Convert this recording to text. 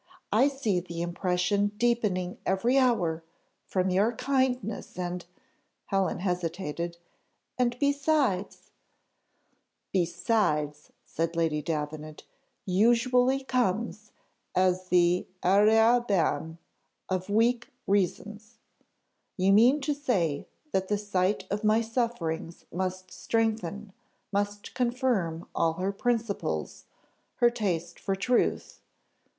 I see the impression deepening every hour, from your kindness and " Helen hesitated, "And besides " "Besides," said Lady Davenant, "usually comes as the arrière ban of weak reasons: you mean to say that the sight of my sufferings must strengthen, must confirm all her principles her taste for truth.